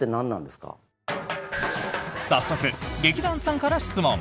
早速、劇団さんから質問！